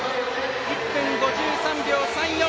１分５３秒３４。